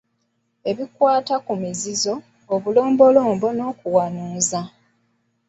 Ebikwata ku mizizo, obulombolombo n’okuwanuuza.